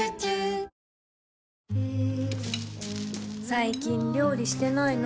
最近料理してないの？